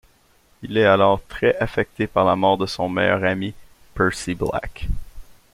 Il est alors très affecté par la mort de son meilleur ami Percy Black.